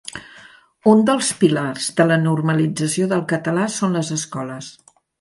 Un dels pilars de la normalització del català són les escoles.